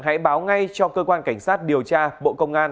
hãy báo ngay cho cơ quan cảnh sát điều tra bộ công an